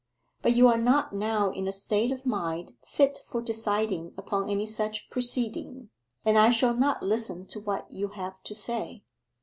But you are not now in a state of mind fit for deciding upon any such proceeding, and I shall not listen to what you have to say.